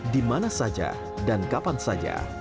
di mana saja dan kapan saja